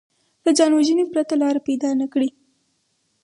له ځانوژنې پرته لاره پیدا نه کړي